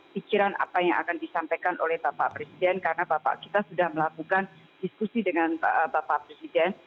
pikiran apa yang akan disampaikan oleh bapak presiden karena bapak kita sudah melakukan diskusi dengan bapak presiden